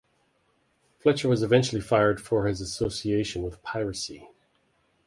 Fletcher was eventually fired for his association with piracy.